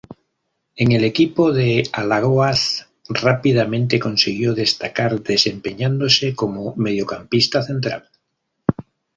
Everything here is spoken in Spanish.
En el equipo de Alagoas rápidamente consiguió destacar, desempeñándose como mediocampista central.